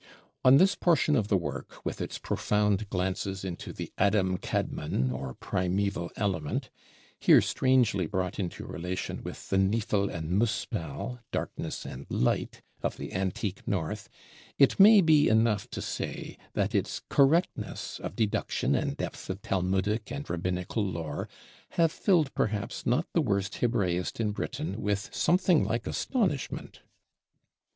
On this portion of the Work, with its profound glances into the Adam Kadmon, or Primeval Element, here strangely brought into relation with the Nifl and Muspel (Darkness and Light) of the antique North, it may be enough to say, that its correctness of deduction and depth of Talmudic and Rabbinical lore have filled perhaps not the worst Hebraist in Britain with something like astonishment.